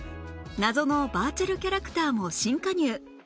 謎のバーチャルキャラクターも新加入